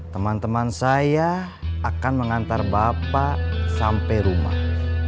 teman teman saya akan mengantar bapak sampai rumah